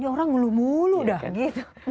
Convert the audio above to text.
orang ngeluh muluh dah gitu